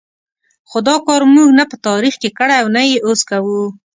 خو دا کار موږ نه په تاریخ کې کړی او نه یې اوس کوو.